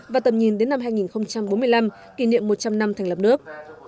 và tầm nhìn đến năm hai nghìn bốn mươi năm kỷ niệm một trăm linh năm thành lập nước